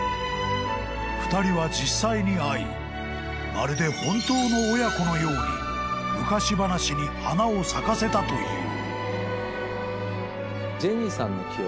［２人は実際に会いまるで本当の親子のように昔話に花を咲かせたという］